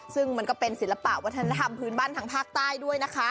ซึ่งมันก็เป็นศิลปวัฒนธรรมพื้นบรรทางภาครขี้ต้ายด้วย